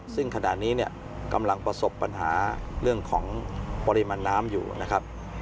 ซึ่งขณะนี้เนี่ยกำลังประสบปัญหาเรื่องของปริมาณน้ำอยู่นะครับ